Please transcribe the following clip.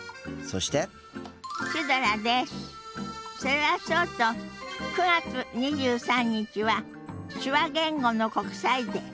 それはそうと９月２３日は手話言語の国際デー。